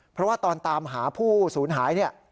เพราะว่าตอนตามหาผู้สูญหายเนี่ย